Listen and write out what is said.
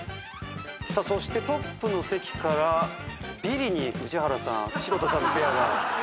そしてトップの席からビリに宇治原さん・城田さんのペアが。